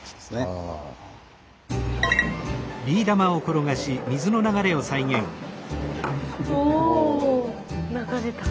おぉ流れた。